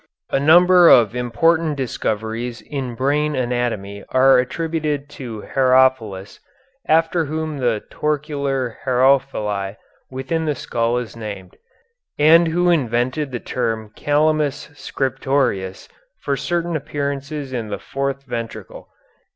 A number of important discoveries in brain anatomy are attributed to Herophilus, after whom the torcular herophili within the skull is named, and who invented the term calamus scriptorius for certain appearances in the fourth ventricle.